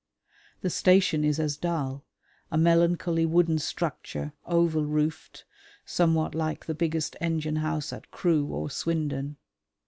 The station is as dull: a melancholy wooden structure, oval roofed, somewhat like the biggest engine house at Crewe or Swindon.